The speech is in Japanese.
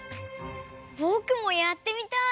ぼくもやってみたい！